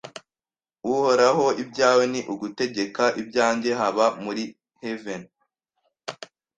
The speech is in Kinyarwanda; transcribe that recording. Uhoraho ibyawe ni ugutegeka Ibyanjye haba muri Heaven